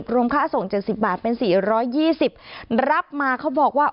รวมค่าส่ง๗๐บาทเป็น๔๒๐รับมาเขาบอกว่า